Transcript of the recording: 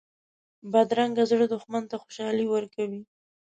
بدرنګه زړه دښمن ته خوشحالي ورکوي